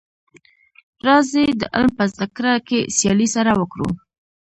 راځی د علم په زده کړه کي سیالي سره وکړو.